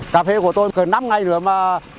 cà phê của tôi cần năm ngày nữa mà